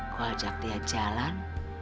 gue ajak dia jalan